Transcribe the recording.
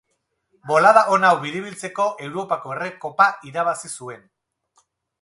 Bolada on hau biribiltzeko Europako Errekopa irabazi zuen.